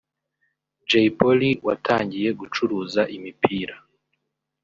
Jay Polly watangiye gucuruza imipira